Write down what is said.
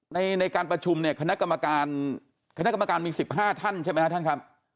ในการประชุมเนี่ยคณะกรรมการคณะกรรมการมี๑๕ท่านใช่ไหมครับท่านครับ